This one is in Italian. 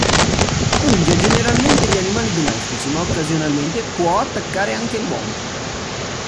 Punge generalmente gli animali domestici, ma occasionalmente può attaccare anche l’uomo.